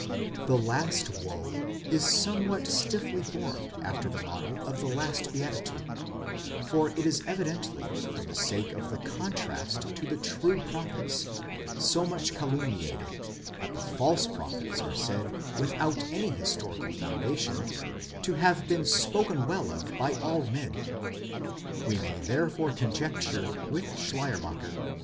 The last woe is somewhat stiffly formed after the model of the last beatitude, for it is evidently for the sake of the contrast to the true prophets, so much calumniated, that the false prophets are said, with out any historical foundation, to have been spoken well of by all men. We may therefore conjecture, with Schleiermacher